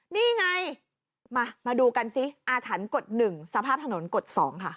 นี่ไงมาดูกันสิอาถรรพ์กฎ๑สภาพถนนกฎ๒ค่ะ